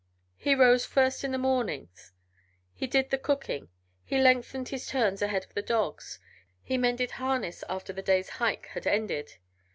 He rose first in the mornings, he did the cooking, he lengthened his turns ahead of the dogs, he mended harness after the day's hike had ended.